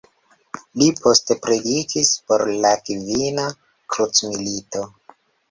Li poste predikis por la Kvina krucmilito.